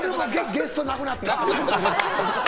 ゲストなくなった！